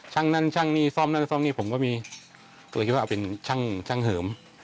ช่างนั้นช่างนี้ซ่อมนั้นซ่อมนี้ผมก็คิดว่าเอาเป็นช่างเหิม